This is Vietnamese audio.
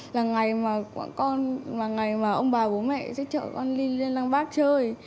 là ngày mà ông bà bố mẹ sẽ chở con lên lăng bác chơi